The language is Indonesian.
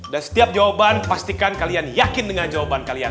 dan setiap jawaban pastikan kalian yakin dengan jawaban kalian